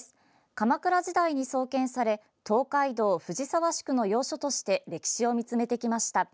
鎌倉時代に創建され東海道・藤沢宿の要所として歴史を見つめてきました。